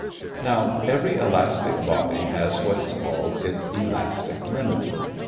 Now, every elastic body has what is called its elastic limit.